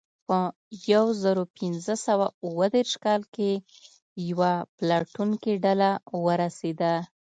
په یو زرو پینځه سوه اوه دېرش کال کې یوه پلټونکې ډله ورسېده.